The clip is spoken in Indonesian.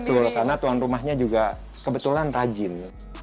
betul karena tuan rumahnya juga kebetulan rajin